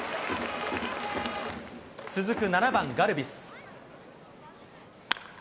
続く７番ガルビス。